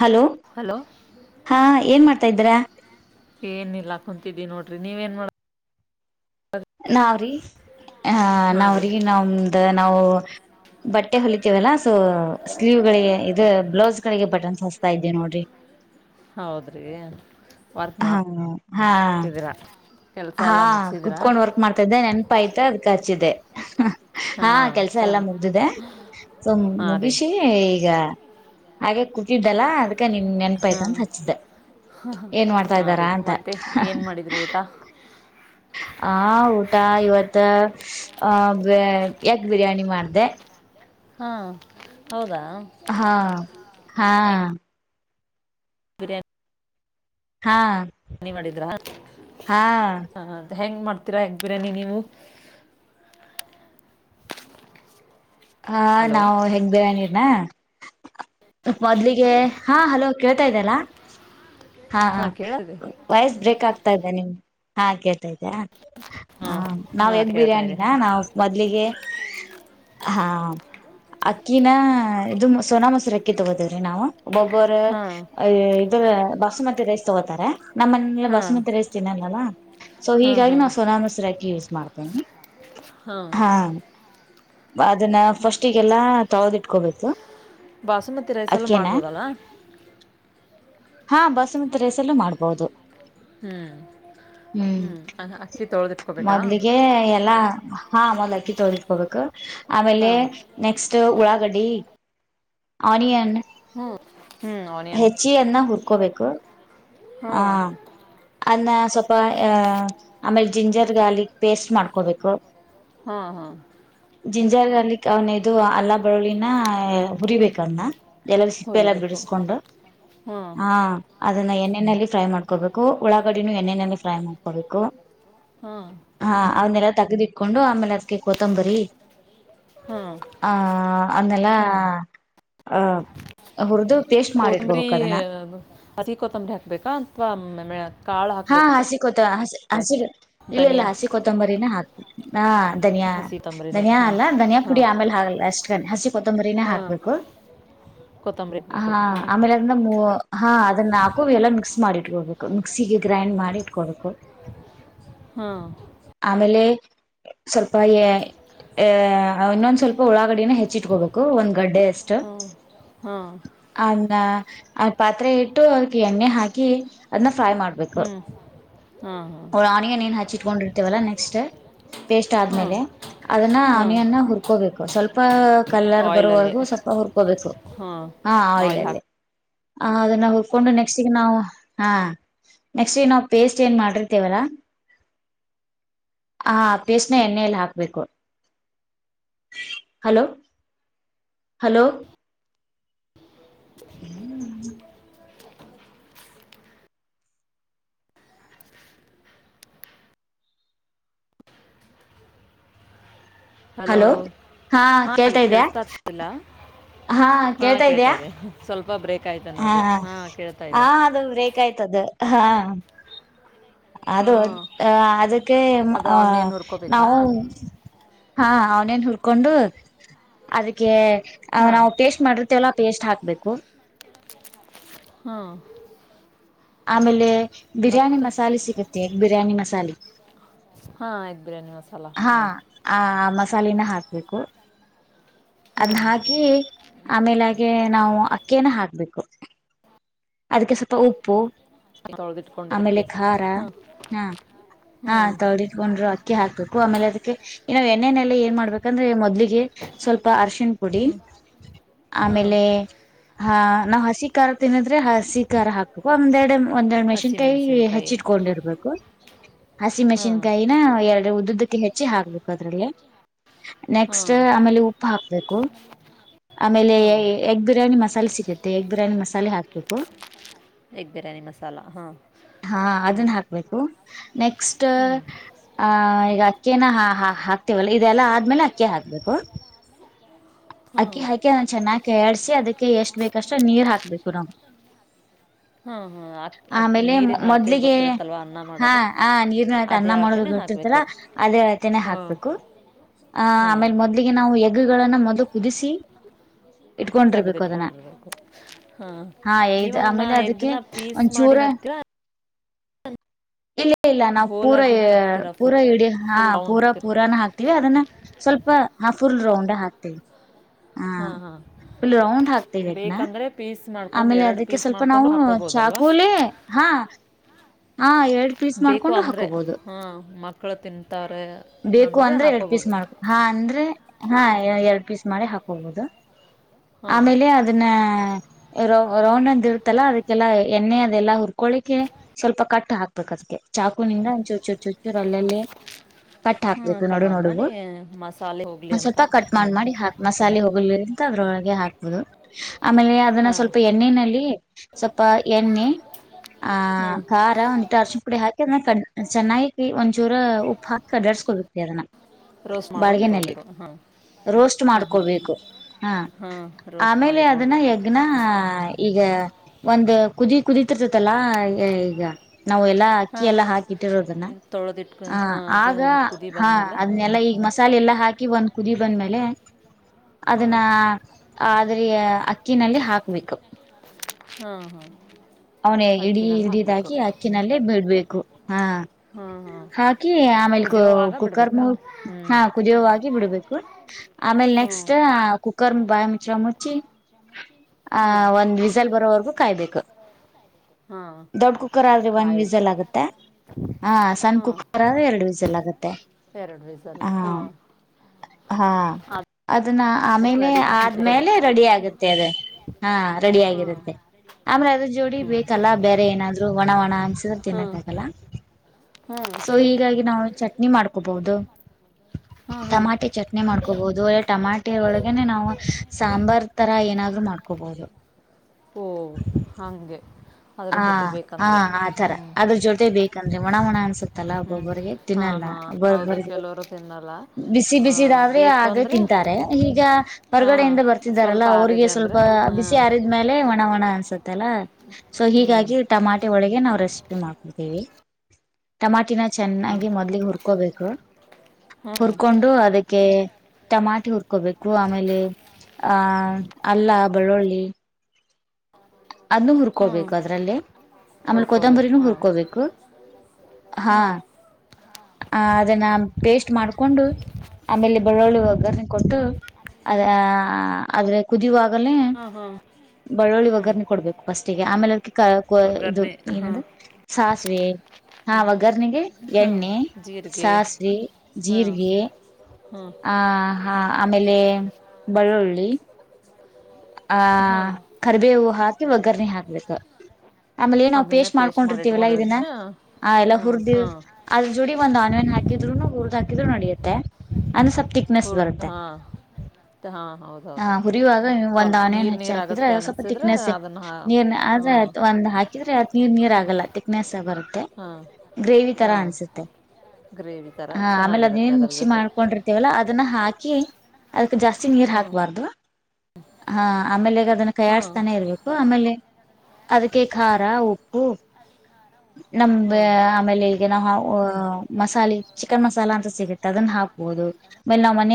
Hello hello ಹಾ ಏನ್ ಮಾಡ್ತ ತ ಇದ್ರೆ ಏನಿಲ್ಲ ಕುಂತಿದ್ದಿ ನೋಡ್ರಿ ನೀವೇನ್ ಮಾಡ ನಾವ್ರಿ ಆ ಹಾಂ ರೀ ನಾವ್ರಿಗೆ ನ್ದ ನಾವು ಬಟ್ಟೆ ಹೊಲಿತೇವಲ್ಲಾ ಸೊ ಸ್ಲೀವ್ ಗಳಿಗೆ ಇದು ಬ್ಲೌಸ್ ಕಡೆಗೆ ಪಟನ್ ಸ ಹಸ್ತಾ ಇದ್ದೆ ನೋಡ್ರಿ ಹೌದ್ರಿ ವರ್ಕ್ ಹಾ ಹಾ ಮಾಡ್ತಿದ್ದೀರಾ ಕೆಲಸ ಹಾ ಎಲ್ಲ ಮುಗಿಸಿದ್ರಾ ಕುೂತ್ಕೊಂಡ್ ವರ್ಕ್ ಮಾಡ್ತಾ ಇದ್ದೆ ನೆನಪ ಆಯ್ತ ಅದಕ ಹಾ ಹಾಂ ಕೆಲ್ಸ ಎಲ್ಲಾ ಚೆನ್ನ ಮುಗ್ದಿದೆ ಸೊ ಹಾಂ ರೀ ಮುಗಿಸಿ ಈಗ ಹಾಗೆ ಕುತಿದ್ದಲ್ಲಾ ಅದ ಈಗ ನಿನ್ ನೆನ್ಪಾಯಯ್ತ ಹಾಂ ಅಂತ ಹಚ್ಚಿದ್ದೆ ಏನ್ ಮಾಡ್ತಾ ಹಾಂ ಇದ್ದಾರ ರೀ ಅಂತ ಮತ್ತೆ ಏನು ಮಾಡಿದ್ರಿ ಊಟ ಆ ಊಟ ಇವತ್ತ ಆ ಯಗ್ ಬಿರಿಯಾನಿ ಮಾಡ್ದ ಹಾ ಹೌದಾ ಹಾ ಹಾ ಎಗ್ ಹಾ ಮನಿ ಮಾಡಿದ್ರಾ ಹಾ ಹ ಹೆಂಗ್ ಮಾಡ್ತೀರಾ ಯಕ್ ಬಿರಿ್ಯಾನಿ ನೀವು ಹಾ ಹಲೋ ನಾವು ಹೆಂಗ ಬೇ ನೀಿರ್ನ ಮೊದ್ಲಿಗೆ ಹಾ ಹಲೋ ಕೇಳ್ತಾ ಇದ್ದಲ್ಲ ಹಾ ಹಾಂ ಕೇಳಿದೆ ವಯಸ್ ಬ್ರೇಕ್ ಆಗ್ ಆತಾ ಇದದೆ ನಿಮ್ ಹಾ ಕೇಳ್ತಾ ಇದ್ದಾ ಹ ಹಾಂ ನಾವ್ ಹಾಂ ಎಗ್ ಕೇಳ್ತಾ ಇದೆ ಬಿರಿಯಾನಿನ ನಾವ್ ಮೊದ್ಲಿಗೆ ಹಾ ಅಕ್ಕಿನ ಇದು ಸೋನಾ ಮೊಸರು ಅಕ್ಕಿ ತಗೋದೇವ್ರಿ ನಾವು ಒಬ್ಬರು ಹಾಂ ಇದ ಬಾಸುಮತಿ ರೈಸ್ ತಗೋತಾರೆ ನಮ್ಮ್ ಮನಲ್ಲ ಹಾಂ ಬಾಸಮತಿ ರೈಸ್ ತಿನ್ನಲ್ಲಲ್ಲ ಸೊ ಹಾಂ ಹೀಗಾಗಿ ನಾವು ಸೋನಾ ಮಶ್ರಾಕಿ ಯೂಸ್ ಮಾಡ್ಬ ಹ [inaudible] ಹಾ ಅದನ್ನ ಫಸ್ಟಿಗೆಲ್ಲಾ ತೊದಿ ಕ ಬಸ ಬಾಸಮತಿ ರೈಸ್ ಎಲ್ಲ ಮಾಡ್ಬೋದಲ್ಲ ಹಾ ಬಸಮತಿ ರೇಸಲ್ಲೂ ಮಾಡ್ಬೋದು ಹ್ಮ್ ಹ್ಮ್ ಅ- ಅಕ್ಕಿ ತೊಳೆದಿಟ್ಕೋಬೇಕಾ ಮೊದ್ಲಿಗೆ ಎಲ್ಲಾ ಹಾ ಅಲ್ಲಕ್ಕಿಟಿಟ್ಬೇಕ ಹ ಆಮೇಲೆ ಹಾ ನೆಕ್ಸ್ಟ್ ಉಳ್ಳಾಗಡ್ಡೆ ಆನಿಯನ್ ಹ್ಮ್ ಹ್ಮ್ ಆನಿಯನ್ ಹೆಚ್ಚಿಯನ್ನ ಹುರ್ಕೋಬೇಕು ಹಾ ಅನ್ನ. ಸ್ವಲ್ಪ ಆಹ ಆಮೇಲೆ ಜಿಂಜರ್ ಗಾರ್ಲಿಕ್ ಪೇಸ್ಟ್ ಮಾಡ್ಕೋಬೇಕು. ಹಾ ಹಾ. ಜಿಂಜರ್ ಅಲಿಕ್ಕೆ ಅವನ ಇದು ಅಲ್ಲ ಬರಳಿನ ಹುರಿಬೇಕನ್ನ. ಎಲ್ಲ ಸಿಪ್ಪೆ ಎಲ್ಲ ಹುರಿಬೇಕು ಬಿಡಿಸಕೊಂಡು ಹಾ ಹ ಅದನ್ನ ಎ. ಎಣ್ಣೆಯಲ್ಲಿ ಫ್ರೈ ಮಾಡ್ಕೋಬೇಕು ಒಳ್ಳಾಗಡಿನೂ ಎಣ್ಣೆಯಲ್ಲಿ ಫ್ರೈ ಮಾಡ್ಕೋಬೇಕು. ಹಾ ಹಾ ಅವನ್ನೆಲ್ಲ. ತೆಗದಿಟ್ಕೊಂಡು ಆಮೇಲೆ ಅದಕ ಕೊತಂಬರಿ. ಹಾ ಹ. ಆಮೇಲಾ ಉರ್ದು. ಕೊದಂಬರಿ ಅತಿ ಕೊತಂಬರಿ ಹ. ಬೇಕಾ ಅಂತವಾ ಮ ಮೇ. ಹಾ ಹಾ ಸಿಿಕೋತ್. ಹ ಹಸಿರು. ಇಲ್ಲ ಇಲ್ಲ ಧನಿಯಾ ಹಸಿ ಕೊತ್ತಂಬರಿನ ಹಾಕ್ ಹ ಧನಿಯಾ ಹಸಿ ತಂಬರಿನೇ ಧನಿಯಾ ಹಾಂ ಅಲ್ಲ ಧನಿಯಾ ಪುಡಿ ಹಾಂ ಆಮೇಲೆ ಹಾಗಲ್ ಅಷ್ಟ ಗ ಹಸಿ ಕೊತ್ತಂಬರಿನೇ ಹಾಂ ಹಾಕ್ಬೇಕು ಕೊತ್ತಂಬರಿ ಹಾಕ್ಬೇಕು ಹ ಹಾಂ ಆಮೇಲೆ ಅದನ್ನ ಹಾ ಅದನ್ನ ಹಾಕು ಎಲ್ಲ ಮಿಕ್ಸ್ ಮಾಡಿಟ್ಕೊಬೇಕು ಮಿಕ್ಸಿಗೆ. ಗ್ರೈಂಡ್ ಮಾಡಿಟ್ಕಡ್ಕು. ಹಾ. ಸ್ವಲ್ಪ ಎ ಆ. ಇನ್ನೊಂದ್ ಸ್ವಲ್ಪ ಉಳಾಗಡಿನ ಹೆಚ್ಚಿಟ್ಕೋಬೇಕು ಒಂದ್ ಗಡ್ಡೆ ಅಷ್ಟು ಹಾಂ ಹಾಂ ಹಾಂ ಅ. ಆ ಪಾತ್ರೆ ಇಟ್ಟು ಅದಕ್ಕೆ ಎಣ್ಣೆ ಹಾಕಿ ಅದನ್ನ ಫ್ರೈ ಮಾಡ್ಬೇಕು ಹ್ಞೂ ಹಾಂ ಆನಿಯನ್ ಏನ್ ಹಚ್ಚಿಟ್ಕೊಂಡಿರ್ತೇವಲ್ಲ ನೆಕ್ಸ್ಟ್ ಪೇಸ್ಟ್ ಹಾಂ ಹಾಂ ಆದ್ಮೇಲೆ ಅದನ್ನ ಹಾಂ ಆನಿಯನ್ ಹುರ್ಕೋಬೇಕು ಸ್ವಲ್ಪ ಕಲರ್ ಆಯಿಲಲ್ಲಿ ಬರುವವರ್ಗೂ ಸ್ವಲ್ಪ ಹುರ್ಕೋಬೇಕು ಹಾಂ ಹ ಆಯಿಲ್ ಆಯಿಲಲ್ಲಿ. ಹಾಕಿ ಹ ಅದನ್ನ ಹುರ್ಕೊಂಡು ನೆಕ್ಸ್ಟ್ಗ ನಾವವು ಹಾ. ನೆಕ್ಸ್ಟ್ ಏ ನಾವು ಪೇಸ್ಟ್ ಏನು ಮಾಡಿರ್ತೇವಲ್ಲಾ ಹ ಪೇಸ್ಟ್ನ ಎಣ್ಣೆಯಲ್ಲಿ ಹಾಕಬೇಕು ಹಲೋ ಹಲೋ. ಹ [inaudible] ಹಲೋ ಹಾ ಕೇಳ್ತಾ ಇದ್ಯಾ ಕೇಳಸ್ತಾಿಲ್ಲ. ಹಾ ಕೇಳ್ತಾ ಇದ್ದಯ. ಸ್ವಲ್ಪ. ಾಯ್ತನ್ನೋ ಅದು ಹಾ ಕೇಳ್ತಾ ಇದೆ. ಬಾಯ್ತದ ಹಾ. ಅದು ಹಾಂ ಅ ಅದಕ್ಕೆ ಅದು ಅಹ ಅವನ್ನೇನು ಹುರ್ಕೋಬೇಕಾ ನಾವು. ಹಾ ಅವನೇನ್ ಉರ್ಕೊಂಡುಅದಕ್ಕೆ. ಆ ಹಾಂ ನಾವು ಪೇಸ್ಟ್ ಮಾಡಿರ್ತೇವಲ್ಲ ಆ ಪೇಸ್ಟ್ ಹಾಕ್ಬೇಕು ಕರ್ [inaudible] ಹಾ. ಆಮೇಲೆ ಬಿರಿಯಾನಿ ಮಸಾಲೆ ಸಿಗುತ್ತೆ ಬಿರಿಯಾನಿ ಮಸಾಲೆ ಹಾಂ ಆಯ್ತು ಬಿರಿಯಾನಿ ಮಸಾಲ ಹಾ ಹಾಂ ಮಸಾಲೆಿನ ಹಾಕ್ಬೇಕು ಹಾಂ ಅದನ್ನ ಹಾಕಿ ಆಮೇಲೆ ಹಾಗೆ ನಾವು ಅಕ್ಕೇನ ಹಾಕ್ಬೇಕು ಅದಕ್ಕೆ ಸ್ವಲ್ಪ ಉಪ್ಪು ಆಮೇಲೆ ತೊಳೆದಿಟ್ಕೊಂಡಿರೋಕೆ ಖಾರ ಹಾಂ ಹಾ ಹಾ ಹ್ಞೂ ತಳಿಕೊಂಡ್ರು ಅಕ್ಕಿ ಹಾಕುತ್ತ ಆಮೇಲೆ ಅದಕ್ಕೆ ಇನ್ನು ಎಣ್ಣಲ್ಲ ಏನ್ ಮಾಡ್ಬೇಕಂದ್ರೆ ಮೊದ್ಲಿಗೆ ಸ್ವಲ್ಪ ಚಿನ್ ಪುಡಿ ಹಾಂ ಆಮೇಲೆ ಹ ನಾ ಹಸಿ ಕಾರ್ತಿನ ಅ್ರೆ ಹಸಿ ಖ ಹಾಕ ಒಂದ್ೆ ಒಂದೆರಡು ಮೆಷಿನ್ಕಾಯಿ ಹಸಿಮೆಣಸಿನ್ಕಾಯಿ ಹೆಚ್ಚಿಟ್ಕೊಂಡಿರ್ಬೇಕು ಹಸಿ ಹಾಂ ಮೆಷಿನ್ಕಾಯಿನ ಎರಡು ಉದ್ದ ಹೆಚ್ಚಿ ಹಗ್ಬೇಕು ಅದ್ರಲ್ಲೇ ನೆಕ್ಸ್ಟ್ ಹಾಂ ಆಮೇಲೆ ಉಪ್ಪು ಹಾಕ್ಬೇಕು ಆಮೇಲೆ ಹಾಂ ಎಗ್ ಬಿರಿಯಾನಿ ಮಸಾಲ ಸ ಸಿುತ್ತೆ ಎಗ್ ಬ್ರಾನಿಸಾಲ ಹಾಕಿ ಹಕ್ಕ [unintelligible] ಎಗ್ ಬಿರಿಯಾನಿ ಮಸಾಲ ಹಾಂ ಹಾ ಹ್ಞೂ ಅದನ್ನ ಹಾಕ್ಬೇಕು ನೆಕ್ಸ್ಟ್ ಹ್ಞೂ ಆ ಈಗ ಅಕ್ಕೇನ ಹಾಕ್ತವಲ್ಲ ಇದೆಲ್ಲಾ ಆದ್ಮೇಲೆ ಅಕ್ಕಿ ಹಾಕ್ಬೇಕು ಹಾಂ ಅಕ್ಕಿ ಹಾಕಿ ಚೆನ್ನಾಗ ಕೆ್ಯಾಡ್ಸಿ ಅದಕ್ಕೆ ಎಷ್ಟ್ ಬೇಕಷ್ಟು ನೀರ್ ಹಾಕ್ಬೇಕು ನಮ್ ಹಾಂ ಹಾಂ ಅಕ್ ಆಮೇಲೆ ನೀರಿನ ಅಳತೆ ಮೊದ್ಲಿಗೆ ಗೊತ್ತಿರುತ್ತಲ್ವ ಅನ್ನ ಹಾ ಮಾಡೋದು ಆ ನೀರ್ನತ ಅದೇ ಅನ್ನ ಮಾಡದು ಅಳತೆನೇ ಗೊಟ್ಟಿರ್ತಾರ ಹಾಕಬೇಕು ಅದೇ ಆತನೆೇ ಹಾಂ ಹಾಕ್ಬೇಕು ಆ ಹಾಂ ಆಮೇಲೆ ಮೊದ್ಲಿಗೆ ನಾವು ಗಳನ್ನು ಕುದಿಸಿ ಇಟ್ಕೊಂಡಿರ್ಬೇಕು ಅದನ್ನ ಸಗದಿಟ್ಕೊಂಡಿರ್ಬೇಕು ಹಾ ನೀವ ಇದ್ ಅವನ್ನ ಆಮೇಲೆ ಅದಕ್ಕೆ ಎಗ್ನ ಪೀಸ್ ಮಾಡಿ ಒಂಚೂರ ಹಾಕ್ತೀರ ಇಲ್ಲ ಇಲ್ಲ ನಾವು ಪೂರಾ ಹೋಲಾಗಿನ ಹಾಕ್ತೀರಾ ಫುಲ್ ಪೂರಾ ಇಡೀ ಹಾ ಫುಲ್ ರೌಂಡ್ ಪೂರಾ ಹಾಕ್ತೀರಾ ಪೂರಾನ ಹಾಕ್ತಿೀವಿ ಅದನ್ನ ಸ್ವಲ್ಪ ಫುಲ್ ರೌಂಡ್ ಹಾಕ್ತವಿ ಹಾ ಹಾಂ ಹಾಂ ಫುಲ್ ರೌಂಡ್ ಹಾಕ್ತೇಬೇಕನಾ ಬೇಕಂದರೆ ಪೀಸ್ ಮಾಡ್ಕೊಂಡು ಆಮೇಲೆ ಎರಡು ಅದಕ್ಕೆ ಪೀಸ್ ಸ್ವಲ್ಪ ಮಾಡಿಕೊಂಡು ನಾವು ಹಾಕೋಬೋದಲ್ವಾ ಚಾಕೋಲಿ ಹಾ ಹಾ ಎರಡ್ ಪೀಸ್ ಬೇಕು ಮಾಡ್ಕೊಂಡು ಅಂದರೆ ಹಾಕೋಬಹುದು ಹಾಂ ಮಕ್ಕಳು ತಿಂತಾರೆ ಬೇಕು ಅಂದರೆ ಅಂದ್ರೆ ಎರಡ್ ಪೀಸ್ ಹಾಕೋಬೋದು ಮಾಡ್ಕೊ ಹಾ ಅಂದ್ರೆ ಹಾ ಎರಡು ಪೀಸ್ ಮಾಡಿ ಹಾಕೋಗಬಹುದು ಹಾಂ ಆಮೇಲೆ ಅದನ್ನ ರೋ ರೋಣಂತೃತಲ್ಲ ಅದಕ್ಕೆಲ್ಲ ಎಣ್ಣ್ ಅದೆಲ್ಲ ಉರು ಕೊೋಳಿಕೆ ಸ್ವಲ್ಪ ಕಟ್ಟ ಹಾಕ್ಬೇಕ ಅದಕ್ಕೆ ಚಾಕುನಿಂದಂಚುು ಅಲ್ಲಲ್ಲೇ ಕಟ್ ಹಾಂ ಹಾಕ್ಬೇಕು ಕಟ್ ನೋಡು ನೋಡು ಮಾಡಿ ಒ ಮಸಾಲೆ ಹೋಗಲಿ ಅಂತ ಸ್ವಲ್ಪ ಕಟ್ ಹ್ಞೂ ಮಾಡ್ ಮಾಡಿ ಹಾಕ್ ಮಸಾಲೆ ಹೋಗಲ್ ಅವ್ರೊಳಗೆ ಹಾಕ್ಬಹುದು ಆಮೇಲೆ ಅದನ್ನ ಹಾಂ ಸ್ವಲ್ಪ ಎಣ್ಣಿನಲ್ಲಿ ಸ್ವಲ್ಪ ಎಣ್ಣೆ ಆಹ ಹಾಂ ಖಾರ ಒಂದಿಟ್ಟ ಅರಶಿನ ಪುಡಿ ಹಾಕಿ ಅದ ಕ ಚೆನ್ನಾಗಿ ಒಂದ್ಚೂರ ಉಪ್ಪು ಹಾಕ ಕದಡಸ್ಕೊಳ್ಬೇಕರಿ ಅದನ್ನ ರೋಸ್ಟ್ ಮಾಡ್ಕೊಂಡು ಬಾಳ್ಗೆನಲ್ಲಿ ಇಟ್ೋಬೇಕು ಹಾ ರೋಸ್ಟ್ ಹಾ ಹಾ ಮಾಡ್ಕೋಬೇಕು ಹಾ ರೋಸ್ಟ್ ಮಾಡಿ ಆಮೇಲೆ ಅದನ್ನ ಇಟ್ಕಳ್ಬೇಕು ಯಜ್ಞ ಈಗ ಒಂದು ಕುದಿ ಕುುದತಿರ್ತತಲ್ಲಾ ಈಗ ನಾವು ಎಲ್ಲಾ ಅಕ್ಕಿ ಹಾಂ ಎಲ್ಲಾ ಹಾಂ ಹಾಕಿಟ್ಟಿರೋದನ್ನ ತೊಳೆದಿಟ್ಕೊ ಆ ಹಾಂ ಅದು ಆಗ ಒಂದು ಕುದಿ ಹಾ ಬಂದಮೇಲೆ ಅದನ್ನೆಲ್ಲಾ ಈಗ ಮಸಾಲೆ ಎಲ್ಲಾ ಹಾಕಿ ಒಂದ್ ಕುದ ಬಂದ ಮೇಲೆ ಹಾಂ ಅದನ್ನ ಅದ್ರ ಅಕ್ಕಿನಲ್ಲಿ ಹಾಕ್ಬೇಕಪ್ಪ ಹಾಂ ಹಾಂ ಅವನ ಇಡೀ ಅಕ್ಕಿನಲ್ಲಿ ಹಾಕಬೇಕು ಹಿಡಿದಾಗಿ ಅಕ್ಕಿನಲ್ಲೇ ಬಿಡ್ಬೇಕು ಹಾ ಹಾಂ ಹಾಂ ಹಾಕಿ ಆಮೇಲ್ ಕುದಿಯೋವಾಗ ಕುಕ್ಕರ್ ಬಿಡಬೇಕಾ ಮು ಹ್ಞೂ ಹಾ ಕುದಿಯೋವಾಗಿ ಬಿಡ್ಬೇಕು ಆಮೇಲ್ ಹ್ಞೂ ನೆಕ್ಸ್ಟ್ ಕುಕ್ಕರ್ ಬಾಯ ಮುಚ್ಚ ಮುಚ್ಚಿ ಹಾ ವಿಸಾಲ್ ಬರೋವರ್ಗೂ ಕಾಯ್ಬೇಕು ಹಾಂ ದೊಡ್ಡ ಕುಕ್ಕರ್ ಆದ್ರೆ ಒಂದ್ ಕಾಯಬೇಕು ವಿಸಲ್ ಆಗುತ್ತೆ ಹ ಸಣ್ಣ ಹಾಂ ಕುಕ್ಕರ್ ಆದ್ರೆ ಎರಡು ವಿಸಲ್ ಆಗುತ್ತೆ ಎರಡು ವಿಸಲ ಹ ಹಾಂ ಹಾ ಅದನ್ನ ಆದರೆ ಆಮೇಲೆ ರೆಡಿ ಆದ್ಮೇಲೆ ಆಗುತ್ತಾ ರೆಡಿ ಆಗುತ್ತೆ ಅದ ಹಾ ರೆಡಿ ಹಾಂ ಆಗಿರುತ್ತೆ ಆಮ್ರೆ ಅದ್ರ ಜೋಡಿ ಹ್ಞೂ ಬೇಕಲ್ಲ ಬೇರೆ ಏನಾದ್ರು ಒಣ ಒಣ ಅನ್ಸಿದ್ರೆ ಹಾಂ ತಿನ್ನಕ್ ಆಗಲ್ಲ ಹಾಂ ಸೊ ಹೀಗಾಗಿ ನಾವು ಚಟ್ನಿ ಮಾಡ್ಕೋಬಹುದು ಹಾಂ ಹಾಂ ಟಮಾಟೆ ಚಟ್ನಿ ಮಾಡ್ಕೋಬಹುದು ಅಲ್ಲ ಟಮಾಟೆ ಒಳಗನೆ ನಾವು ಸಾಂಬಾರ್ ತರ ಏನಾದ್ರೂ ಮಾಡ್ಕೋಬಹುದು ಓ ಹಾಗೆ ಹ ಅದರ ಜೊತೆ ಹಾ ಬೇಕಂದರೆ ಆತರ ಹ್ಞೂ ಅದ್ರ ಜೊತೆ ಬೇಕಂದ್ರೆ ಒಣ ಹಣ ಅನ್ಸುತ್ತಲ್ಲ ಹ್ಮ್ ಒಬ್ಬೊಬ್ಬರ್ರಿಗೆ ಹಾ ತಿನ್ನಲ್ಲ ಹಾ ಹೌದು ಒಬ್ಬೊಬ್ಬಿಗೆ ಕೆಲವರು ತಿನ್ನಲ್ಲ ಬಿಸಿ ಆ ಬಿಸಿದಾದ್ರೆ ಬೇಕು ಆಗೇ ಅಂದ್ರೆ ತಿಂತಾರೆ ಈಗ ಹಾ ಹೊರ್ಗಡೆಯಿಂದ ಸ್ವಲ್ಪ ಬರ್ತಿದ್ದಾರಲ್ಲ ಅವ್ರಿಗೆ ಆರಿದೆ ಸ್ವಲ್ಪ ಅಂದ್ರೆ ಹಾ ಬಿಸಿ ಯಾರಿದ್ಮೇಲೆ ಒಣಾವಣ ಆಸೆ ತಲ್ಲ ಹ್ಮ್ ಹೀಗಾಗಿ ಟಮಾಟೆ ಒಳಗೆ ನಾವು ರೆಸಿಪಿ ಮಾಡ್ಬವಿ ಟಮಾಟಿನ ಚೆನ್ನಾಗಿ ಮೊದ್ಲಿಿಗೆ ಹುರ್ಕೋಬೇಕು ಹ್ಮ್ ಹ್ಮ್ ಹುರ್ಕೊಂಡು ಅದಕ್ಕೆ ಟಮಾಟೆ ಹುರ್ಕೋಬೇಕು ಆಮೇಲೆ ಆಹ ಅಲ್ಲ ಬೆಳ್ಳುಳ್ಳಿ ಅದನ್ನು ಹ್ಮ್ ಹುರ್ಕೊಬೇಕು ಅದ್ರಲ್ಲಿ ಆಮೇಲೆ ಹುರ್ಕೋಬೇಕು ಕೊದಂಬರಿನೂ ಹಾ ಹುರ್ಕೋಬೇಕು ಹಾ ಅದನ್ನ ಪೇಸ್ಟ್ ಮಾಡಕೊಂಡು ಆಮೇಲೆ ಬೆಳ್ಳುಳ್ಳಿ ಒಗ್ಗರ್ರಣ ಕೊಟ್ಟು ಅದ ಅ್ರೆ ಕುದಿಯುವಾಗ ಆಲೇ ಹಾ ಹಾ ಬಳ್ಳೋಳ್ಳಿಾಗ ಹ್ಞೂ ಬೇಕು ಸ್ ಆಮೇ ಇದು ಒಗ್ಗರಣೆ ಹಾಂ ಏ್ರ ಸ್ ಹಾ ಗರ್ನಿಗೆ ಹಾಂ ಎಣ್ಣೆ ಜೀರಿಗೆ ಸಾಸಿವ ಹಾಂ ಜೀರಿಗೆ ಹಾಂ ಆ ಹ್ಞೂ ಆಮೇಲೆ ಬೆಳ್ಳುಳ್ಳಿ ಆ ಹಾಂ ಕರ್ಬೇವು ಹಾತ್ ವಗರ್ ನೀ ಹಾಕ್ಬೇಕತ ಆಮೇಲೆ ಏನ್ಾವ್ ಅದನ್ನೇ ಪೇಸ್ಟ್ ಮಾಡಿ ಮಾಡ್ಕೊಂಡಿರ್ತೀವಲ್ಲಾ ಇದನ್ನ ಇಟ್ಕೊಂಡಿರ್ತೀನ ಆ ಎಲ್ಲ ಹಾಂ ಹುರ್ದ್ ಹಾಂ ಅದ್ರ ಜೋಡಿ ಒಂದ್ ಆನ್ನ್ ಹಾಕಿ ಹಾಕಿದ್ರುನು ಉರ್ದ ಹಾಕಿದ್ರು ನಡೆಯುತ್ತೆ ಅಂದಸ ಹ ಹಾ ಹಾ ಹಾ ೌದ ಹೌದ ಒಂದು ಆಣೆಣ್ ಹಚ್ಚಿ ಹಾಕಿದ್ರೆ ಸ್ವಲ್ಪ ತಿಕ್ನೆಸ್ ಅದನ್ನು ನೀರ್ ಹ್ಞೂ ಆದ್ರೆ ಒಂದ ಹಾಕಿದ್ರೆ ನೀ ಬ ಹಾಂ ಗ್ರೇವಿ ತರ ಹಾಂ ಅಸುತ್ತೆ ಗ್ರೇವಿ ಥರ ಹ ಆಮೇಲೆ ಅದ ಚೆನ್ನಾಗಿರುತ್ತೆ ಅದ್ರ ಮಿಕ್ಸಿ ಜೊತೆ ಮಾಡಕೊಂಡಿರ್ತವಲ್ಲ ಅದನ್ನ ಹಾಕಿ ಕ ಅದಕ್ಕೆ ಜಾಸ್ತಿ ನೀರ್ ಹಾಂ ಹಾಕ್ಬಾರ್ದವಾ ಹಾ ಆಮೇಲೆಗ ಅದನ್ನ ಹಾಂ ಕೈಯಡ್ಿಸತಾನೆ ಇರ್ಬೇಕು ಆಮೇಲೆ ಅದಕ್ಕೆ ಖಾರ ಉಪ್ಪು ನಮ್ದ ಹ್ಞೂ ಆಮೇಲೆ ನವು್ ಮಸಾಲೆ ಚಿಕನ್ ಮಸಾಲ ಅಂತ ಸಿಗುತ್ತೆ ಅದನ್ನ ಹಾಕಬಹುದು ಆೇಲೆ ನಾ್ ಮನ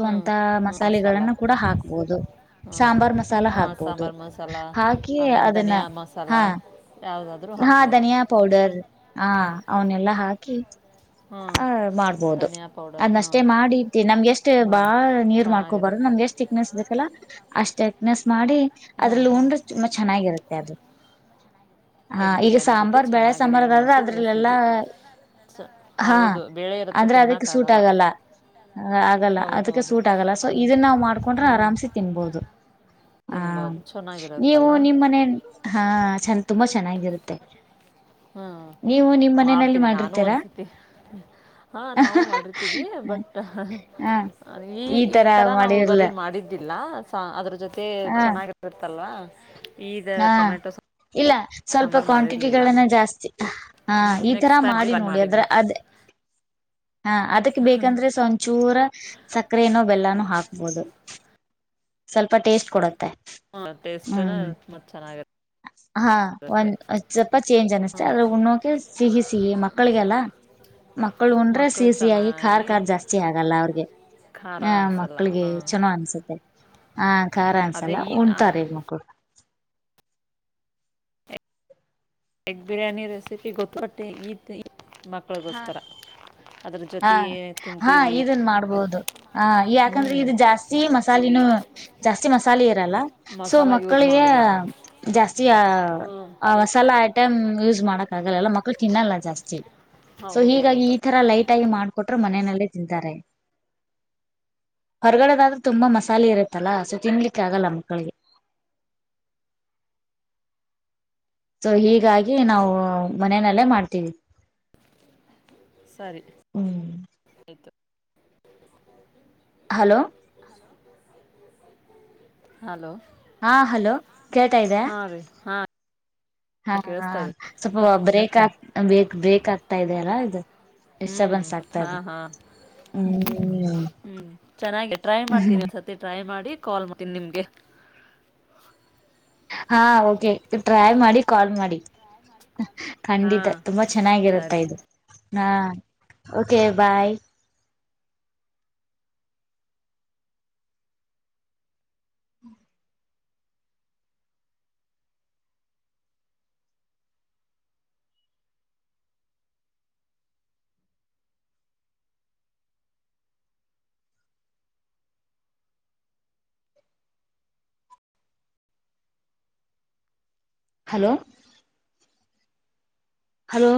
ಹ್ಞೂ ಹ್ಞೂ ಮಸಾಲ ಮಸಾಲೆಗಳಗಳನ್ನು ಕೂಡ ಹಾಕ್ಬಹುದು ಹ್ಞೂ ಸಾಂಬಾರ್ ಮಸಾಲ ಹಾಂ ಹಾಕ್ಬೋುದು ಸಾಂಬಾರು ಮಸಾಲ ಹಾಕಿ ಆಮೇಲೆ ಅದನ್ನ ಧನಿಯಾ ಮಸಾಲ ಹಾ ಯಾವುದಾದ್ರೂ ಹಾ ಹಾಕ್ಬೋದು ಧನಿಯಾ ಪೌಡರ್ ಹಾ ಅವನೆಲ್ಲಾ ಹಾಕಿ ಹ್ಞೂ ಆ ಮಾಡ್ಬೋದು ಧನಿಯಾ ಪೌಡರ್ ಹಾಂ ಅದನಷ್ಟೇ ಮಾಡಿತಿೀ ನಮ್ಗೆ ಎಷ್ಟ್ ಹಾಂ ಬಾಳ ನೀರ್ ಮಾಡ್ಕೊಬಾರು ಚೆನ್ನಾಗಿರುತ್ತೆ ನಮ್ಗೆ ಎಷ್ಟ್ ಚಕ್ನೆಸ್ ಇದಕ್ಕಲ್ಲ ಅಷ್ಟ ಎಕ್ನೆಸ್ ಮಾಡಿ ಹಾಂ ಅದ್ರಲ್ಲ ಹಾಂ ಉಂಡ್ರೆ ತುಂಬಾ ಚೆನ್ನಾಗಿರುತ್ತೆ ಅದು ಹಾ ಎಗ್ ಈಗ ಬಿರಿಯಾನಿ ಜೊತೆ ಸಾಂಬಾರ್ ಬೆಳೆ ಚೆನ್ನಾಗಿ ಸಾಂಬಾರ್ ಹೇಳಿ ಅದಾದ್ರೆ ಮಾಡಿಸಿದ ಅದ್ರಲ್ಲೆಲ್ಲಾ ರೆಸಿಪಿ ಸೊ ಹಾ ಹೌದು ಬೇಳೆ ಇರುತ್ತೆ ಅಂದ್ರೆ ಅದಕ್ಕೆ ಸೂಟ್ ತಿನ್ನೋಕ್ಕಾಗಲ್ಲ ಆಗಲ್ಲ ಆಗಲ್ಲ ಅದಕ್ಕೆ ಹೌದೌದು ಸೂಟ್ ಆಗಲ್ಲ ಸೊ ಅನ್ ಇದನ್ನ ನಾವ್ ಮಾಡ್ಕೊಂಡ್ರೆ ಹ್ಞೂ ಆರಾಮ್ಸಿ ತಿನ್ಬೋದು ಹಾ ತಿನ್ಬೋದು ನೀವು ಚೆನ್ನಾಗಿರುತ್ತಲ್ಲ ನಿಮ್ಮನೆ ಹಾ ಚ ತುಂಬಾ ಚೆನ್ನಾಗಿರುತ್ತೆ ಹ್ಮ್ ನೀವು ನಿಮ್ ಮನೆಯಲ್ಲಿ ಮಾಡ್ತೀನಿ ನಾನು ಮಾಡಿರ್ತೀರಾ ಒಂದ್ಸತಿ ಹಾ ನಾವು ಮಾಡಿರ್ತೀವಿ ಬಟ್ ಹ ಈ ಈ ತರ ನಾವು ಬರ ಮಾಡಿದ್ದಿಲ್ಲ ಅದ್ರ ಜೊತೆ ಹ ಚೆನ್ನಾಗಿರುತ್ತಲ್ವಾ. ಹ. ಈದು ಹಾ ಟೊಮ್ಯಾಟೊ ಸಾ. ಇಲ್ಲ ಸ್ವಲ್ಪ ಕ್ವಾಂಟಿಟಿಗಳನ್ನ ಜಾಸ್ತಿ. ಹಾ ಈ ತರ ನೆಕ್ಸ್ಟ್ ಟೈಮ್ ಮಾಡಿ ಟ್ರೈ ನೋಡಿ ಅದ್ರ ಮಾಡೀನಿ ಅದೇ. ಹಾ ಅದಕ್ ಬೇಕಂದ್ರೆ ಸಂಚೂರ ಸಕ್ಕರೆನೋ ಬೆಲ್ಲನೋ ಹಾಕ. ಹೌದು ಸ್ವಲ್ಪ ಟೇಸ್ಟ್ ಕೊಡ. ಮತ್ತೆ ಟೇಸ್ಟೂ ಹ್ಮ್. ಮತ್ತು ಹಾ ಚೆನ್ನಾಗಿರುತ್ತೆ ಒಂದ್್ ಸ್ವಪ ಚೇಂಜ್ ಅನ್ನಸ್ತತೆ ಹ್ಞೂ ಆದ್ರೆ ಉಣ್ಣೋಕೆ ಸಿಹಿ ಸಿಹಿ ಮಕ್ಕಳಿಗೆಲ್ಲ ಮಕ್ಳ ಉಣ್ರೆ ಮಕ್ಕಳು ಸಿಹ ಸಿಿಯಾಗಿಿ ಖಾರ್ ಚೆನ್ನಾಗಿ ಖಾರ್ ಜಾಸ್ತಿ ಆಗಲ್ಲ ಅವ್ರಿಗೆ ಖಾರ ಆ ಅನ್ಸಲ್ಲ ಮಕ್ಳಿಗೆ ಹಾಂ ಚನೋ ಅನ್ಸುತ್ತೆ. ಹ. ಹಾ ಖಾರ್ ಅದೇ ಅನ್ಸಲ್ಲ ಈ ಉಂಟಾರ ಈ ಮಕ್ಕಳು. ಎಗ್ ಬಿರಿಯಾನಿ ರೆಸಿಪಿ ಗೊತ್ತುಪಟ್ಟೆ ಈತ್ತು. ಹ ಹ ಜೊತೆ ಹಾ ತಿಂತೀವಿ ಇದನ್ ಮಾಡ್ಬೋದು ಹ ಹ್ಞೂ ಯಾಕಂದ್ರೆ ಇದು ಜಾಸ್ತಿ ಮಸಾಲಿನೂ ಜಾಸ್ತಿ ಮಸಾಲೆ ಇರಲ್ಲ ಸೊ ಮಸಾಲ ಯೂಸ್ ಮಕ್ಕಳಿಗೆ ಮಾಡಿಲ್ಲ ಜಾಸ್ತಿ ಹ್ಞೂ ಆ ಮಸಾಲ ಆ. ಟೈ್ ಯೂಸ್ ಮಾಡಕ್ ಆಗಲ್ಲ ಮಕ್ಳ ತಿನ್ನಲ್ಲ ಜಾಸ್ತಿಲ್ಲಿಹ ಸೊ ಹೌದು ಹೀಗಾಗಿ ಹೌದು ಈ ತರ ಲೈಟ್ ಆಗಿ ಮಾಡ್ಕಹ ಕೊಟ್ರ ಮನೆಯಲ್ಲೇ ತಿಂತಾರೆ ಹೊರಗಡೆದಾದ್ರೆ ತುಂಬಾ ಮಸಾಲೆ ಇರುತ್ತಲ್ಲ ಸೊ ತಿನ್ಲಿಕ್ಕೆ ಆಗಲ್ಲ ಮಕ್ಕಳಿಗೆ. ಸೊ ಹೀಗಾಗಿ ನಾವು ಮನನಲ್ಲೇ ಮಾಡ್ತೀವಿ. ಸರಿ ಹ್ಮ್ ಆಯ್ತು. ಹಲೋ. ಹಲೋ. ಹಾ ಹಲೋ. ಕೇಳ್ತಾ ಇದದೆ ಹಾಂ ರೀ ಹಾಂ ಹ ಕೇಳಿಸ್ತಾ ಇದೆ ಸ್ವಲ್ಪ ಬ್ರೇಕ್. ಬೇಕಕ್ ಬೇಕಾಗ್ತಾ ಇದದೆ ಅಲ್ಲಾ ಇದು. ಹ್ಮ್ ಡಿಸ್ಟರ್ಬೆನ್ಸ್ ಆಗ್ತಾ ಹಾ ಇದೆ ಹಾ ಹ್ಮ್ ಹ್ಮ್ ಚೆನ್ನಾಗಿ ಟ್ರೈ ಹ್ಮ್ ಮಾಡ್ತೀನಿ ಸತಿ ಟ್ರೈ ಮಾಡಿ. ಕಾಲ್ ಮಾಡ್ತೀನಿ ನಿಮ್ಗೆಹ ಹಾ ಓಕೆ ಟ್ರೈ ಮಾಡಿ ಕಾಲ್ ಮಾಡಿ. ಖಂಡಿತ ಹಾಂ ತುಂಬಾ ಚೆನ್ನಾಗಿರುತ್ತಾ ಸರಿ ಇದು. ಹಾ ಓಕೆ ಬಾಯ್. ಹಲೋ. ಹಲೋ.